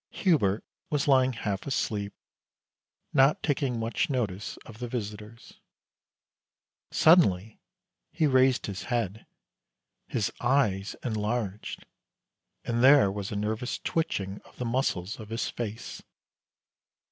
Hubert was lying half asleep, not taking much notice of the visitors. Suddenly he raised his head, his eyes enlarged and there was a nervous twitching of the muscles of his face.